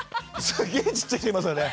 すげちっちゃい人いますよね。